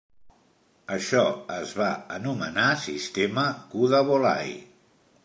Això es va anomenar sistema "Kudavolai".